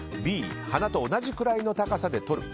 Ｂ、花と同じくらいの高さで撮る。